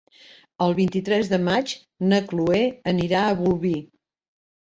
El vint-i-tres de maig na Cloè anirà a Bolvir.